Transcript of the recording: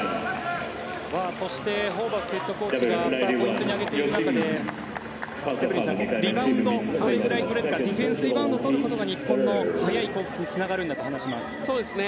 そして、ホーバスヘッドコーチがポイントに挙げているところでエブリンさんリバウンド、どれぐらい取れるかディフェンスリバウンドを取れるのかが日本の速さにつながるんだと話します。